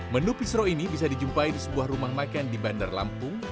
menu pisro ini bisa dijumpai di sebuah rumah makan di bandar lampung